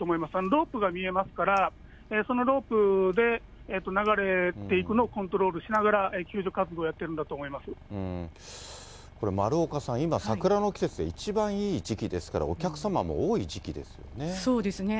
ロープが見えますから、そのロープで流れていくのをコントロールしながら、丸岡さん、今、桜の季節で、一番いい時期ですから、そうですね。